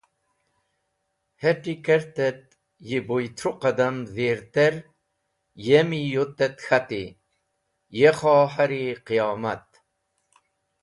Het̃i kert et yibuytru qadam dhirter yemi yut et k̃hati: Ye Khohar-e qiyomat!